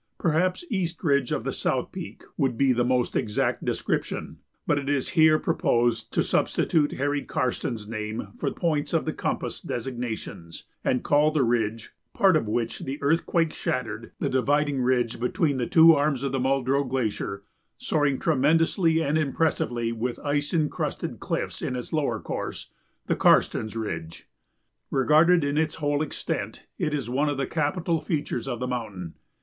Perhaps "East Ridge of the South Peak" would be the most exact description. But it is here proposed to substitute Harry Karstens's name for points of the compass designations, and call the ridge, part of which the earthquake shattered, the dividing ridge between the two arms of the Muldrow Glacier, soaring tremendously and impressively with ice incrusted cliffs in its lower course, the Karstens Ridge. Regarded in its whole extent, it is one of the capital features of the mountain.